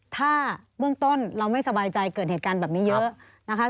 ถ้าเบื้องต้นเราไม่สบายใจเกิดเหตุการณ์แบบนี้เยอะนะคะ